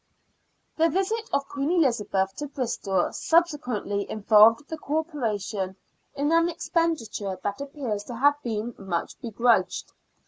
The visit of Queen Ehzabeth to Bristol subsequently involved the Corporation in an expenditure that appears to have been much begrudged.